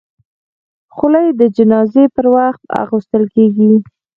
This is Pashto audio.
خولۍ د جنازې پر وخت اغوستل کېږي.